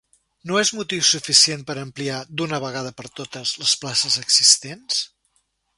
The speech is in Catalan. No és motiu suficient per ampliar, d’una vegada per totes, les places existents?